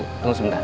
untuk wanita lain